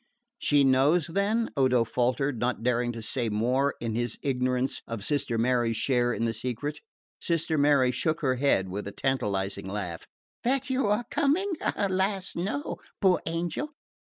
"She knows, then?" Odo faltered, not daring to say more in his ignorance of Sister Mary's share in the secret. Sister Mary shook her head with a tantalising laugh. "That you are coming? Alas, no, poor angel!